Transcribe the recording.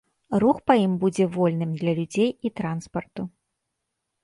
Рух па ім будзе вольным для людзей і транспарту.